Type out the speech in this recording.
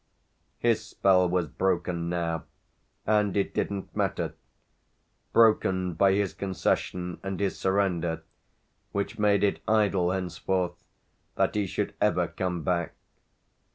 His spell was broken now, and it didn't matter broken by his concession and his surrender, which made it idle henceforth that he should ever come back.